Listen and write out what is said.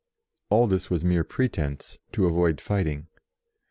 All this was mere pretence, to avoid fighting.